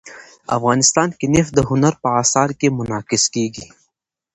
افغانستان کې نفت د هنر په اثار کې منعکس کېږي.